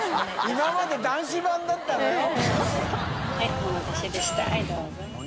今まで男子版だったのよ。